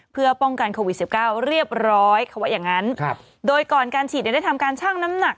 เพื่อป้องกันโควิด๑๙เรียบร้อยเขาว่าอย่างนั้นโดยก่อนการฉีดเนี่ยได้ทำการชั่งน้ำหนัก